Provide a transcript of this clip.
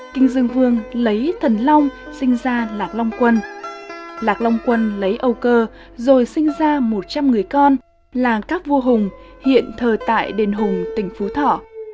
kinh dương vương lấy thần long sinh ra lạc long quân lạc long quân lấy âu cơ rồi sinh ra một trăm linh người con là các vua hùng hiện thờ tại đền hùng tỉnh phú thọ